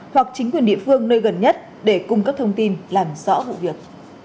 hoặc chính quyền địa phương nơi gần nhất để cung cấp thông tin làm rõ vụ việc